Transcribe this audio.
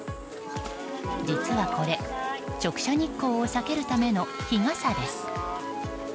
実はこれ直射日光を避けるための日傘です。